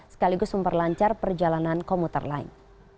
sekaligus memperlancar perjalanan komuter lain